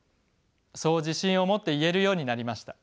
そう自信を持って言えるようになりました。